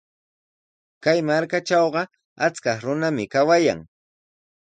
Kay markatrawqa achkaq runami kawayan.